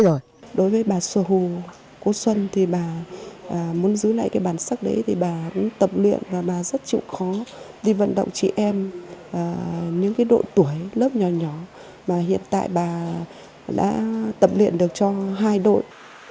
đối với bà sô hù cố xuân thì bà muốn giữ lại cái bản sắc đấy thì bà cũng tập luyện và bà rất chịu khó đi vận động chị em những cái độ tuổi lớp nhỏ nhỏ mà hiện tại bà đã tập luyện được cho hai đội